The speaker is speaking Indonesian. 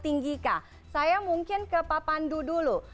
tinggika saya mungkin ke pak pandu dulu